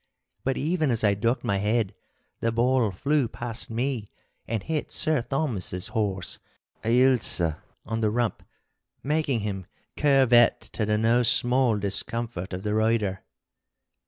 But even as I ducked my head the ball flew past me and hit Sir Thomas's horse 'Ailsa' on the rump, making him curvet to the no small discomfort of the rider.